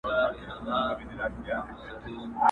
چي پاتېږي له نسلونو تر نسلونو!٫.